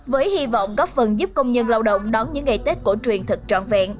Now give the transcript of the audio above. với hy vọng góp phần giúp công nhân lao động đón những ngày tết cổ truyền thật trọn vẹn